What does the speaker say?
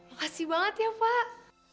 makasih banget ya pak